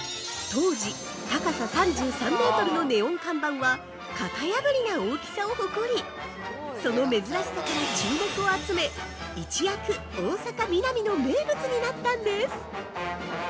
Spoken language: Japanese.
◆当時、高さ３３メートルのネオン看板は型破りな大きさを誇りその珍しさから注目を集め一躍、大阪ミナミの名物になったんです。